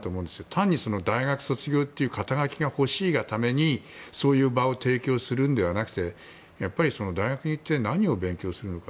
単に大学卒業という肩書が欲しいがためにそういう場を提供するのではなく大学で何を勉強するのか。